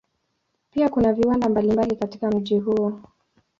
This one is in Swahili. Pia kuna viwanda mbalimbali katika mji huo.